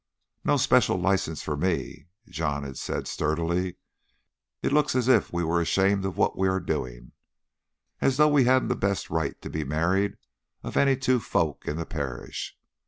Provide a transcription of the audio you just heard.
"No special license for me," John had said sturdily. "It looks as if we were ashamed of what we are doing, as though we hadn't the best right to be married of any two folk in the parish."